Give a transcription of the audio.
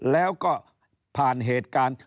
แล้วก็ผ่านเหตุการณ์